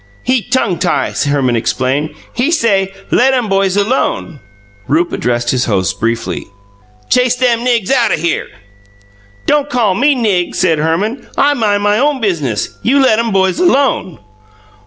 "He tongue tie'," Herman explained. "He say, let 'em boys alone." Rupe addressed his host briefly: "Chase them nigs out o' here!" "Don' call me nig," said Herman. "I mine my own biznuss. You let 'em boys alone."